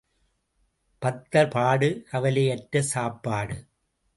பத்தர் பாடு கவலையற்ற சாப்பாடு.